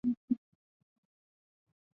主要用于散调音乐。